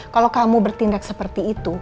kalau kamu bertindak seperti itu